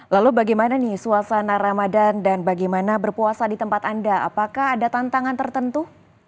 lalu bagaimana nih suasana ramadan dan bagaimana berpuasa di tempat anda apakah ada tantangan tertentu